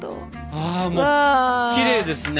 ああもうきれいですね。